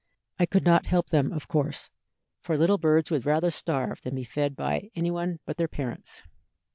I could not help them, of course, for little birds would rather starve than be fed by any one but their parents.